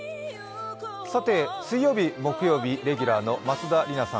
さて、水曜日、木曜日レギュラーの松田里奈さん